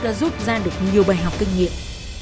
đã giúp ra được nhiều bài học kinh nghiệm